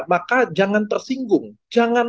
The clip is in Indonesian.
maka jangan tersinggung jangan